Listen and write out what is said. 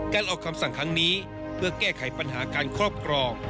ออกคำสั่งครั้งนี้เพื่อแก้ไขปัญหาการครอบครอง